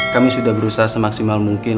kami sudah berusaha semaksimal mungkin